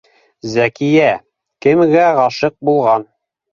— Зәкиә, кемгә ғашиҡ булған